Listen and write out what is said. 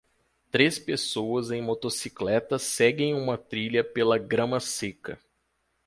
Três pessoas em motocicletas seguem uma trilha pela grama seca.